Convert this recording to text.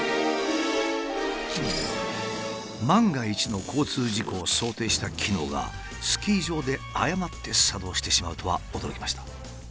万が一の交通事故を想定した機能がスキー場で誤って作動してしまうとは驚きました。